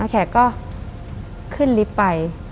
แขกก็ขึ้นลิฟต์ไป